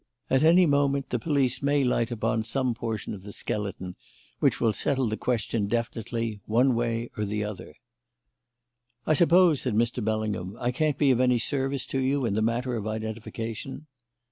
At any moment the police may light upon some portion of the skeleton which will settle the question definitely one way or the other." "I suppose," said Mr. Bellingham, "I can't be of any service to you in the matter of identification?"